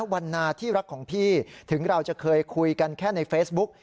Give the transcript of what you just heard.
วันนาที่รักของพี่ถึงเราจะเคยคุยกันแค่ในเฟซบุ๊ก